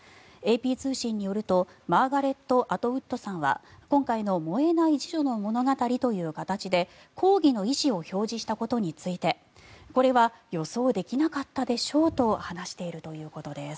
ＡＰ通信によるとマーガレット・アトウッドさんは今回の燃えない「侍女の物語」という形で抗議の意思を表示したことについてこれは予想できなかったでしょうと話しているということです。